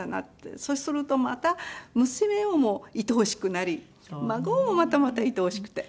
そうするとまた娘をもいとおしくなり孫もまたまたいとおしくて。